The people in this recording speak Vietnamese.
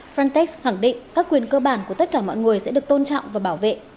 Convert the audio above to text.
frontex khẳng định các quyền cơ bản của tất cả mọi người sẽ được tôn trọng và bảo vệ